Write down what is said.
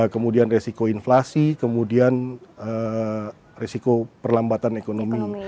kemudian resiko inflasi kemudian risiko perlambatan ekonomi